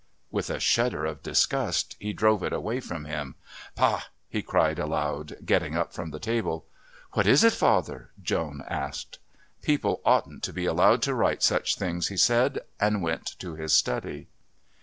With a shudder of disgust he drove it from him. "Pah!" he cried aloud, getting up from the table. "What is it, father?" Joan asked. "People oughtn't to be allowed to write such things," he said, and went to his study.